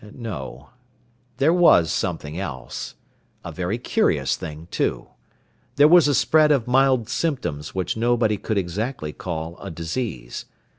No. There was something else. A very curious thing, too. There was a spread of mild symptoms which nobody could exactly call a disease.